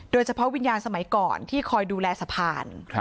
โดยเฉพาะวิญญาณสมัยก่อนที่คอยดูแลสะพาน